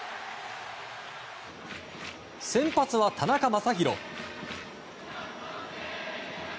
先発は田中将大。